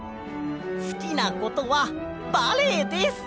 すきなことはバレエです。